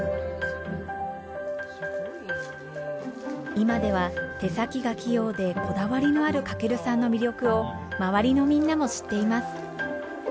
今では手先が器用でこだわりのある翔さんの魅力を周りのみんなも知っています。